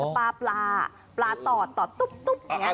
ปลาปลาต่อตอดตุ๊บอย่างนี้